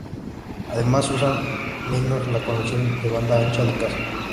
Además, usan menos la conexión de banda ancha de casa.